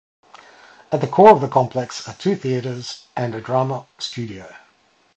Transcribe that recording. At the core of the complex are two theatres and a drama studio.